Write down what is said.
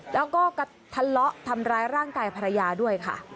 แล้วก็กระทะเลาะทำร้ายร่างกายภรรยาด้วยค่ะ